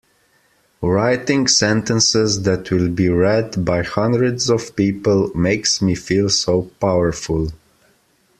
Writing sentences that will be read by hundreds of people makes me feel so powerful!